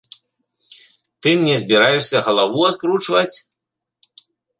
Ты мне збіраешся галаву адкручваць?